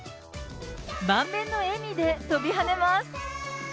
満面の笑みで飛び跳ねます。